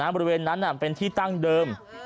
บริเวณนั้นเป็นที่ตั้งเดิม